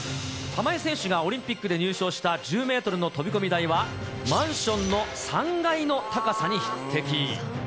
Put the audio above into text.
玉井選手がオリンピックで入賞した１０メートルの飛込台は、マンションの３階の高さに匹敵。